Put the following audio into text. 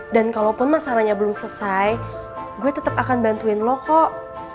dan kalaupun masalahnya belum selesai gue tetep akan bantuin lo kok